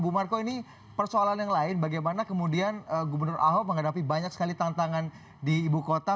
bu marco ini persoalan yang lain bagaimana kemudian gubernur ahok menghadapi banyak sekali tantangan di ibu kota